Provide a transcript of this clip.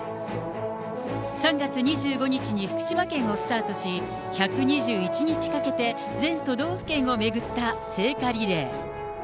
３月２５日に福島県をスタートし、１２１日かけて全都道府県を巡った聖火リレー。